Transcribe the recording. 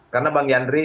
karena bang yandri